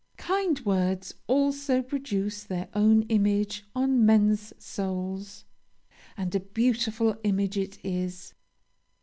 Kind words also produce their own image on men's souls. And a beautiful image it is.